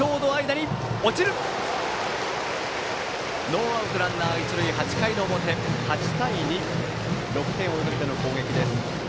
ノーアウトランナー、一塁８回の表８対２、６点を追いかけての攻撃。